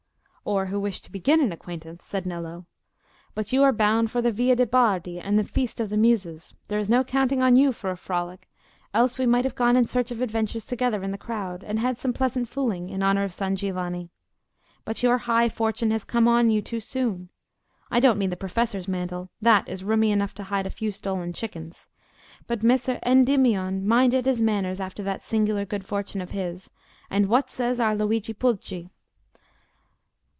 "Or who wished to begin an acquaintance," said Nello. "But you are bound for the Via de' Bardi and the feast of the Muses: there is no counting on you for a frolic, else we might have gone in search of adventures together in the crowd, and had some pleasant fooling in honour of San Giovanni. But your high fortune has come on you too soon: I don't mean the professor's mantle—that is roomy enough to hide a few stolen chickens, but— Messer Endymion minded his manners after that singular good fortune of his; and what says our Luigi Pulci?